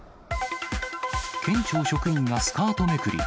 県庁職員がスカートめくり。